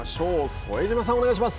副島さん、お願いします。